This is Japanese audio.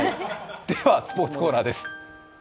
では、スポーツコーナーです。